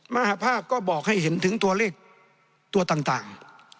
มหาภาคก็บอกให้เห็นถึงตัวเลขตัวต่าง